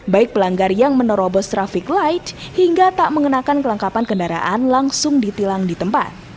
baik pelanggar yang menerobos traffic light hingga tak mengenakan kelengkapan kendaraan langsung ditilang di tempat